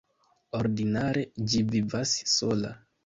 Ordinare ĝi vivas sola.